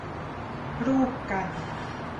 รูปกัน